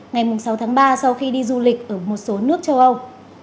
ngày sáu tháng ba sau khi đi du lịch ở một số nước châu âu